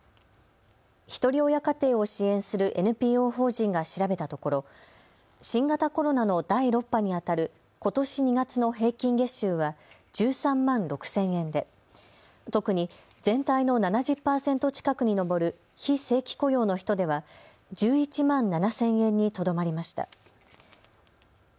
ひとり親家庭を支援するＮＰＯ法人が調べたところ、新型コロナの第６波にあたることし２月の平均月収は１３万６０００円で特に全体の７０％近くに上る非正規雇用の人では１１万７０００円にとどまりました。